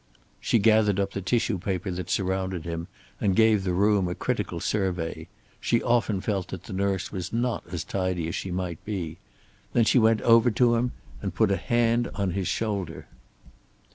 She gathered up the tissue paper that surrounded him, and gave the room a critical survey. She often felt that the nurse was not as tidy as she might be. Then she went over to him and put a hand on his shoulder.